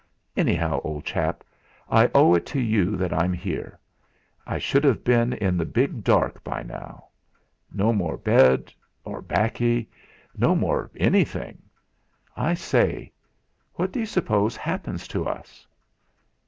Anyhow, old chap, I owe it to you that I'm here; I should have been in the big dark by now. No more bed, or baccy; no more anything. I say, what d'you suppose happens to us?"